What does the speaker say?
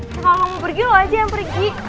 kalau mau pergi aja yang pergi